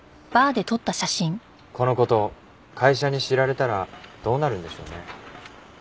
この事会社に知られたらどうなるんでしょうね？